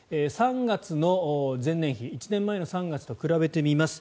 ３月の前年比１年前の３月と比べてみます。